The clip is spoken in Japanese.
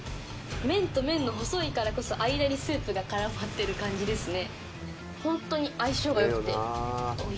麺と麺の細いからこそ間にスープが絡まってる感じですね。